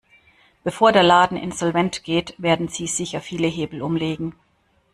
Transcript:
Bevor der Laden insolvent geht, werden sie sicher viele Hebel umlegen.